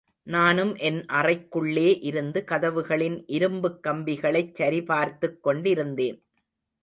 நானும் என் அறைக்குள்ளே இருந்து கதவுகளின் இரும்புக் கம்பிகளைச்சரிபார்த்துக் கொண்டிருந்தேன்.